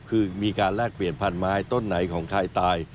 คือมีการแลกเปลี่ยนพันธุ์มาให้ต้นไหนของใครตาย